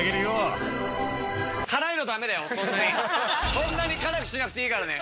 そんなに辛くしなくていいからね！